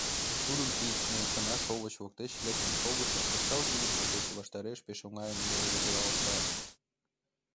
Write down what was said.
Тудын пидме кына шовыч воктеч лектын шогышо шышталге ӱпшӧ кече ваштареш пеш оҥайын йылгыжалта.